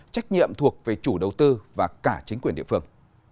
trách nhiệm thuộc về chủ đầu tư và cả chính quyền địa phương